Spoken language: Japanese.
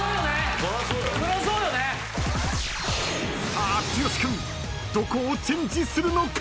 ［さあ剛君どこをチェンジするのか］